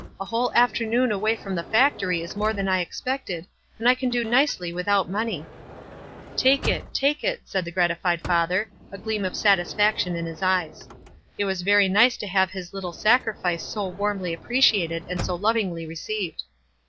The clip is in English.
A whole afternoon away from the factory is more than I expected, and I can do nicely without money." " Take it, take it," sulci the gratified father, a gleam of satisfaction in his eyes. It was very nice to have his little sacrifice so warmly appre ciated and so lovingly received.